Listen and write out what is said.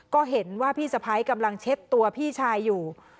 ก็เห็นว่าพี่สะพ้ายกำลังเช็ดตัวพี่ชายอยู่